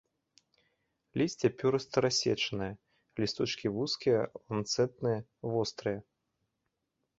Лісце пёрыста-рассечанае, лісточкі вузкія, ланцэтныя, вострыя.